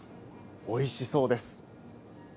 おいしそうです。